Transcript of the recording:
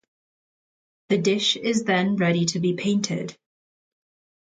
The dish is then ready to be painted.